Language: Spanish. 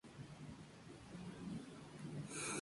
A los seis años, se unió al Calais Beau Marais.